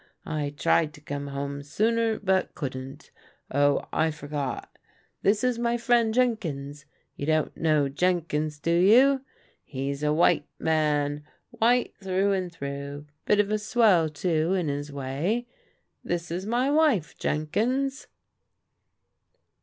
I tried to come home sooner, but couldn't. Oh, I forgot, this is my friend Jenkins. You don't know Jenkins, do you? He's a white man, white through and through. Bit of a swell, too, in his way. This is my wife, Jenkins."